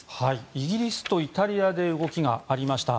イギリスとイタリアで動きがありました。